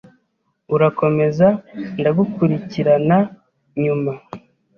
Urakomeza ndagukurikirana nyuma.